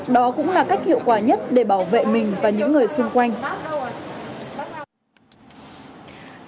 đó cũng là cách hiệu quả nhất để bảo vệ mình và những người xung quanh